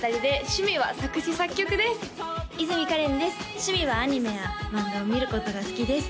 趣味はアニメや漫画を見ることが好きです